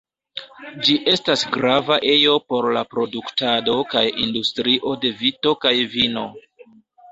Ĝi estas grava ejo por la produktado kaj industrio de vito kaj vino.